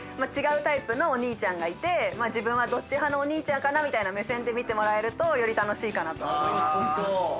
違うタイプのお兄ちゃんがいて自分はどっち派のお兄ちゃんかなみたいな目線で見てもらえるとより楽しいかなと思います。